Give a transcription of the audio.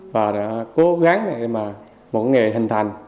và đã cố gắng để một nghề hình thành